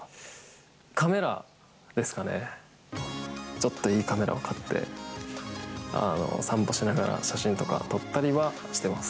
ちょっと、いいカメラを買って散歩しながら写真とかを撮ったりしています。